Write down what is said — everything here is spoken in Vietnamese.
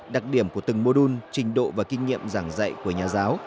đặc điểm của từng mô đun trình độ và kinh nghiệm giảng dạy của nhà giáo